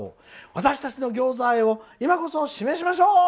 私たちの餃子愛を今こそ示しましょう！」